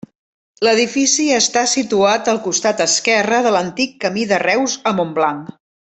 L'edifici està situat al costat esquerre de l'antic camí de Reus a Montblanc.